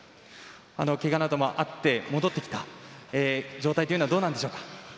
けがなどもあって戻ってきた状態というのはどうなんでしょうか？